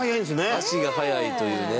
高橋：足が速いというね。